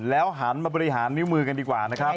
หันมาบริหารนิ้วมือกันดีกว่านะครับ